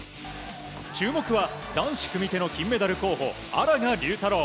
注目は男子組手の金メダル候補荒賀龍太郎。